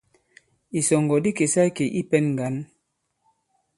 Ìsɔ̀ŋgɔ̀ di kèsa ikè i pɛ̄n ŋgǎn.